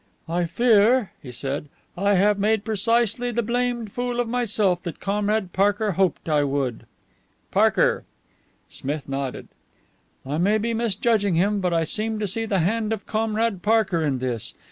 "I fear," he said, "I have made precisely the blamed fool of myself that Comrade Parker hoped I would." "Parker!" Smith nodded. "I may be misjudging him, but I seem to see the hand of Comrade Parker in this.